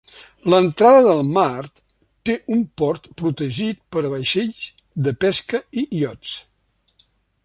L'entrada del mar té un port protegit per a vaixells de pesca i iots.